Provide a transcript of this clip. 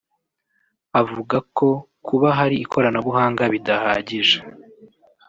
avuga ko kuba hari ikoranabuhanga bidahagije